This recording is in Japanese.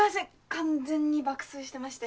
完全に爆睡してまして。